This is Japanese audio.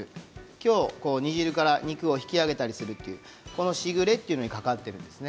きょう煮汁から肉を引き上げたりするこのしぐれということにかかっています。